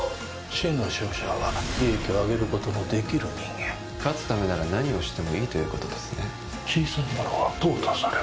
真の勝者は利益を上げることのできる人間勝つためなら何をしてもいいということですね小さい者はとう汰される